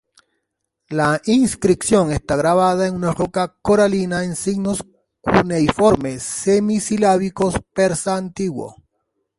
La inscripción está grabada en una roca coralina en signos cuneiformes semi-silábicos persa antiguo.